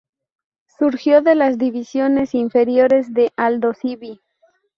Surgió de las divisiones inferiores de Aldosivi.